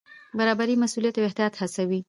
برابري مسوولیت او احتیاط هڅوي.